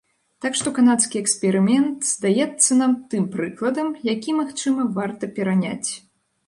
Так што канадскі эксперымент здаецца нам тым прыкладам, які, магчыма, варта пераняць.